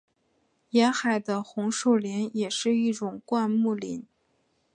沿海的红树林也是一种灌木林。